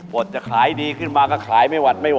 บทจะขายกว่าดีขึ้นมาก็ขายไม่หวัดไม่ไหว